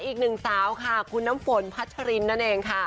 อีกหนึ่งสาวค่ะคุณน้ำฝนพัชรินนั่นเองค่ะ